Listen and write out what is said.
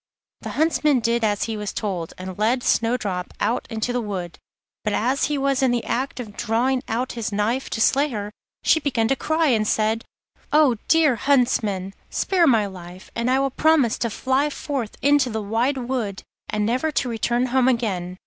The Huntsman did as he was told and led Snowdrop out into the wood, but as he was in the act of drawing out his knife to slay her, she began to cry, and said: 'Oh, dear Huntsman, spare my life, and I will promise to fly forth into the wide wood and never to return home again.